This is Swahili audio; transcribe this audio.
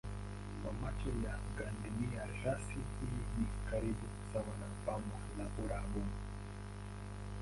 Kwa macho ya gandunia rasi hii ni karibu sawa na bamba la Uarabuni.